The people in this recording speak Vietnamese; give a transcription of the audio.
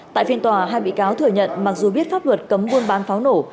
tại phiên tòa hai bị cáo thừa nhận mặc dù biết pháp luật cấm buôn bán pháo nổ